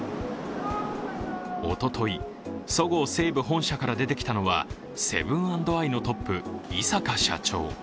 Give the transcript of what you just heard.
おととい、そごう・西武本社から出てきたのはセブン＆アイのトップ、井阪社長。